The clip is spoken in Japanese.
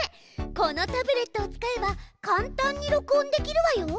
このタブレットを使えば簡単に録音できるわよ。